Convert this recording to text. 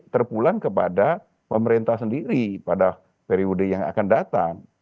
terpulang kepada pemerintah sendiri pada periode yang akan datang